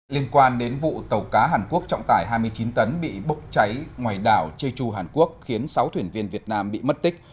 liên quan đến vụ tàu cá hàn quốc trọng tải hai mươi chín tấn bị bốc cháy ngoài đảo jeju hàn quốc khiến sáu thuyền viên việt nam bị mất tích